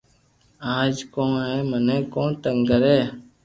ايم ڪون ھي مني ڪون تنگ ڪري